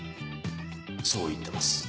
そう言ってます。